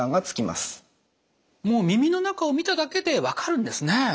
もう耳の中を見ただけで分かるんですね。